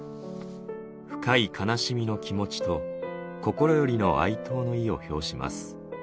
深い悲しみの気持ちと、心よりの哀悼の意を表します。